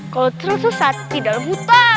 kalau terus susah tidak buta